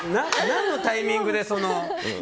何のタイミングで。